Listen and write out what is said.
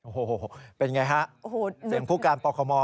โอ้โหเป็นไงฮะเสียงผู้การปคม